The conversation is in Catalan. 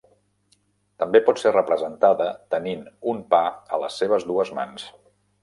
També pot ser representada tenint un pa a les seves dues mans.